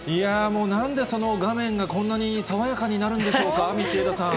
もうなんでその画面こんなに爽やかになるんでしょうか、道枝さん。